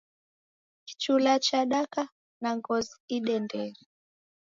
Kichula chadaka na ngozi idendere.